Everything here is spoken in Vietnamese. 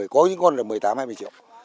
có những con là một mươi tám hai mươi triệu